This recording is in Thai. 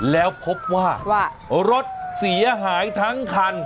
แล้วพบว่ารถเสียหายทั้งคัน